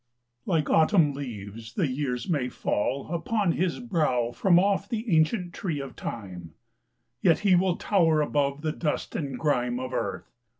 lyike autumn leaves the years may fall upon . His brow from off the ancient tree of Time, Yet will he tower above the dust and grime Of earth